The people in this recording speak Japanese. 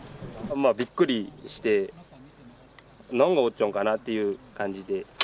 びっくりして、何が落ちたのかなっていう感じで。